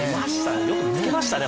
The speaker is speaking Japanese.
よく見つけましたね！